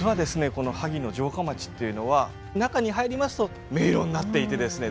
この萩の城下町っていうのは中に入りますと迷路になっていてですね